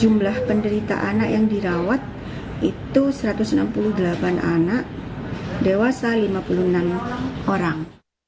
jumlah penderita anak yang dirawat itu satu ratus enam puluh delapan anak dewasa lima puluh enam orang